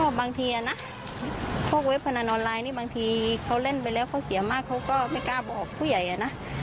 บางทีนะพวกเว็บพนันออนไลน์นี่บางทีเขาเล่นไปแล้วเขาเสียมากเขาก็ไม่กล้าบอกผู้ใหญ่นะ